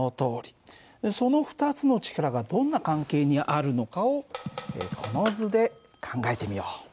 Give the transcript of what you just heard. その２つの力がどんな関係にあるのかをこの図で考えてみよう。